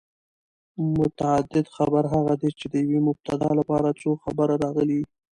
متعدد خبر هغه دئ، چي د یوې مبتداء له پاره څو خبره راغلي يي.